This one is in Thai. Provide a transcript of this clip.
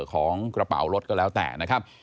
ของกระเป๋ารถก็แล้วแต่นะครับ